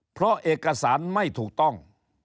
เพราะเอกสารไม่ถูกต้อง